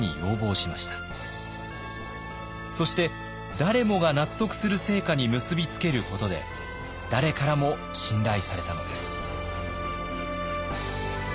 そして誰もが納得する成果に結び付けることで誰からも信頼されたのです。